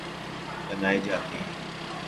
بنائے جاتے ہیں